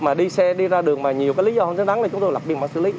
là đi xe đi ra đường mà nhiều cái lý do không xứng đáng thì chúng tôi lập biên bản xử lý